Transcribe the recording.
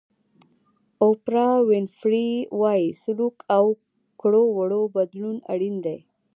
اوپرا وینفري وایي سلوک او کړو وړو بدلون اړین دی.